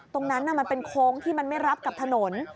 ตรงนั้นมันเป็นโค้งที่มันไม่รับกับถนน